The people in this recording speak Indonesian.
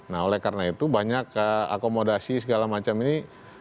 nah oleh karena itu banyak akomodasi segala macam ini